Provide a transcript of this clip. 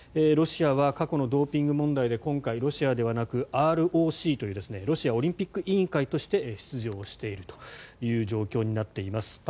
ロシアは過去のドーピング問題で今回、ロシアではなくＲＯＣというロシアオリンピック委員会として出場しているという状況になっています。